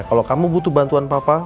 kalau kamu butuh bantuan papa